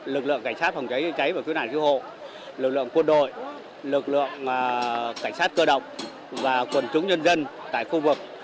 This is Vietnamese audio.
lực lượng cảnh sát phòng cháy chữa cháy và cứu nạn cứu hộ lực lượng quân đội lực lượng cảnh sát cơ động và quần chúng nhân dân tại khu vực